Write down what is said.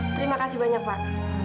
terima kasih banyak pak